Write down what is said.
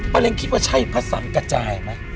มันยังคิดว่าใช่เพราะสังกระจายไหม